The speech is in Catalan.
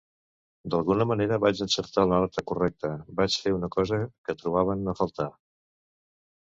D'alguna manera vaig encertar la nota correcta, vaig fer una cosa que trobaven a faltar.